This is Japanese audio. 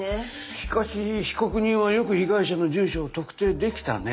しかし被告人はよく被害者の住所を特定できたね。